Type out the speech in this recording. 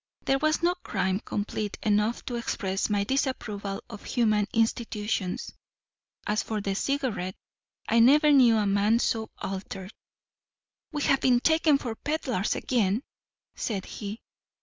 There was no crime complete enough to express my disapproval of human institutions. As for the Cigarette, I never knew a man so altered. 'We have been taken for pedlars again,' said he.